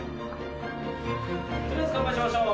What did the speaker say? とりあえず乾杯しましょう。